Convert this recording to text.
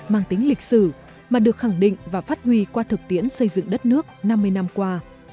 mang tính lịch sử mà được khẳng định và phát huy qua thực tiễn xây dựng đất nước năm mươi năm qua